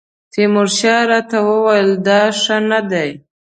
تیمورشاه راته وویل دا ښه نه دی.